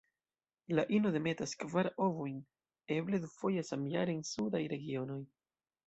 La ino demetas kvar ovojn; eble dufoje samjare en sudaj regionoj.